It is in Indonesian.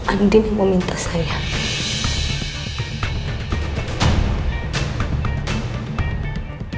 anu dini meminta sayang